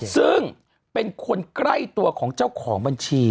ซึ่งเป็นคนใกล้ตัวของเจ้าของบัญชี